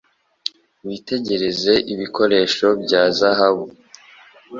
Witegereze ibikoresho bya zahabu